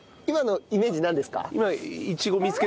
今のイメージなんですか？